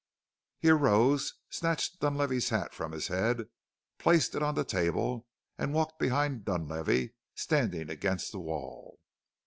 He arose, snatched Dunlavey's hat from his head, placed it on the table, and walked behind Dunlavey, standing against the wall.